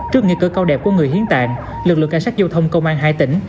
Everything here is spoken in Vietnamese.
trước nghi cử cao đẹp của người hiến tặng lực lượng cảnh sát giao thông công an hai tỉnh